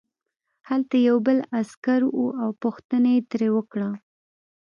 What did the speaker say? هلته یو بل عسکر و او پوښتنه یې ترې وکړه